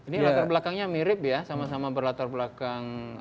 ini latar belakangnya mirip ya sama sama berlatar belakang